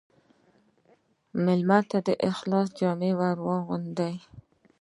مېلمه ته د اخلاص جامې واغوندې.